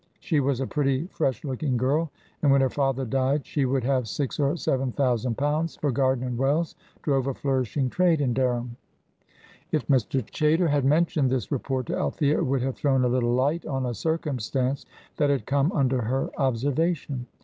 She was a pretty, fresh looking girl, and when her father died she would have six or seven thousand pounds for Gardiner & Wells drove a flourishing trade in Dereham. If Mr. Chaytor had mentioned this report to Althea it would have thrown a little light on a circumstance that had come under her observation.